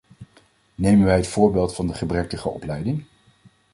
Nemen wij het voorbeeld van de gebrekkige opleiding.